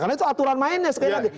karena itu aturan mainnya sekali lagi